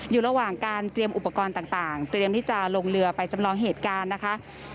อยู่ระหว่างการเตรียมอุปกรณ์ต่างเตรียมที่จะลงเรือไปจำลองเหตุการณ์นะคะ